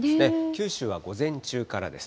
九州は午前中からです。